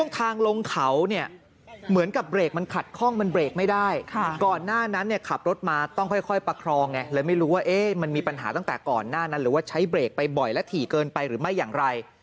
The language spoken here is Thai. ตั้งแต่ก่อนหน้านั้นหรือว่าใช้เบรกไปบ่อยแล้วถี่เกินไปหรือไม่อย่างไร